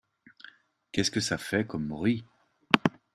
Qu'est-ce que ça fait comme bruit !